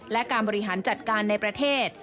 และการบริหารจัดการในประเทศ